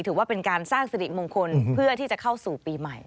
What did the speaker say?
ถือว่าเป็นการสร้างสิริมงคลเพื่อที่จะเข้าสู่ปีใหม่